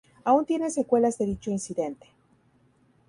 Aún tiene secuelas de dicho incidente.